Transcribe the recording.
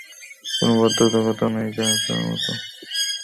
কোনো বাধ্যবাধকতা নেই, যার যার মতো করে পিঠা বানিয়ে নিয়ে যাওয়া।